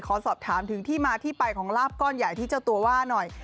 ขอสอบถามถึงที่มาที่ไปของลาบก้อนใหญ่ที่เจ้าตัวว่าหน่อย